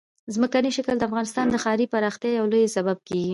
ځمکنی شکل د افغانستان د ښاري پراختیا یو لوی سبب کېږي.